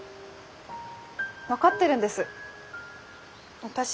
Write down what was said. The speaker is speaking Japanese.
分かってるんです私